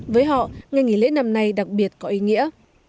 với họ ngày nghỉ lễ năm nay đặc biệt có ý nghĩa